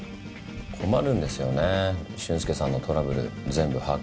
困るんですよね俊介さんのトラブル全部把握しきれなくて。